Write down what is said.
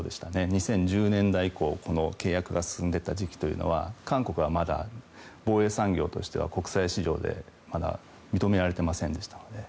２０１０年代以降この契約が進んでいった時期は韓国はまだ防衛産業としては国際市場でまだ認められていませんでしたので。